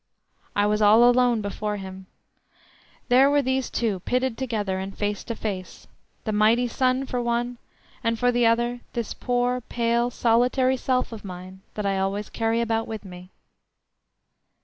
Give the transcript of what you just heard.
I was all alone before him. There were these two pitted together, and face to face—the mighty sun for one, and for the other this poor, pale, solitary self of mine, that I always carry about with me.